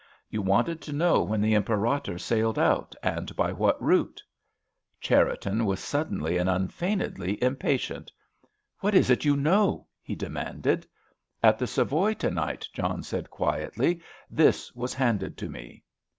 "You wanted to know when the Imperator sailed out, and by what route." Cherriton was suddenly and unfeignedly impatient. "What is it you know?" he demanded. "At the Savoy to night," John said quietly, "this was handed to me."